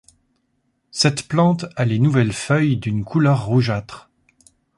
Cette plante a les nouvelles feuilles d'une couleur rougeâtre.